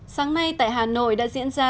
sáng nay tại hà nội đã diễn ra